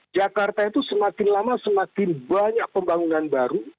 jadi jakarta itu semakin lama semakin banyak pembangunan baru